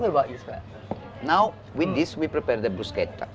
sekarang dengan ini kita akan menyiapkan bruschetta